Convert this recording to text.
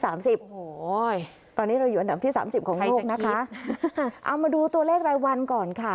โอ้โหตอนนี้เราอยู่อันดับที่สามสิบของโลกนะคะเอามาดูตัวเลขรายวันก่อนค่ะ